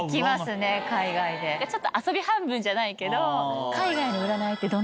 ちょっと遊び半分じゃないけど。